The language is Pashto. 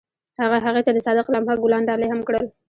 هغه هغې ته د صادق لمحه ګلان ډالۍ هم کړل.